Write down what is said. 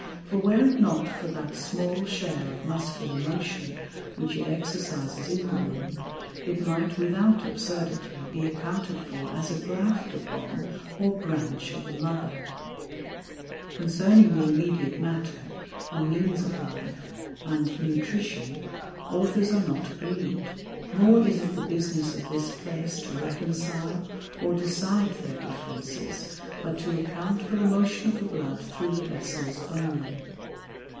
For, were it not for that small share of Muscular Motion, which it exercises in the Womb, it might without absurdity be accounted for as a Graft upon, or Branch of the Mother. [Sidenote: Boyle of the Elasticity of Air. Pechlinus de Aeris & Alimenti defectu.] Concerning the immediate Matter, and Means of Life, and Nutrition, Authors are not agreed, nor is it the business of this place to reconcile, or decide their Differences, but to account for the Motion of the Blood through the Vessels only.